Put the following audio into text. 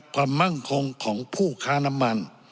มั่งคงของผู้ค้าน้ำมัน